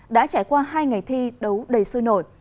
đã trải qua hai ngày thi đấu đầy sôi nổi